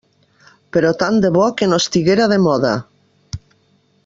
Però tant de bo que no estiguera de moda.